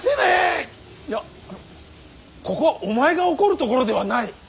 いやここはお前が怒るところではない。